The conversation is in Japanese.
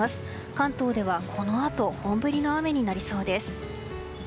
関東ではこのあと本降りの雨になりそうです。